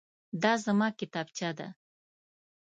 دا زما کتابچه ده.